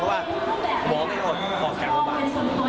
เพราะว่าหมอไม่อดขอแข่งผมมา